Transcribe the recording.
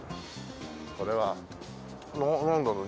これはなんだろう？